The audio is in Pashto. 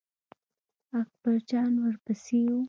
اکبر جان ور پسې و.